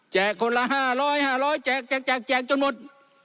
แจกคนละ๕๐๐๕๐๐แจกแจกจนหมด